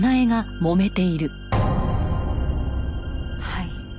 はい。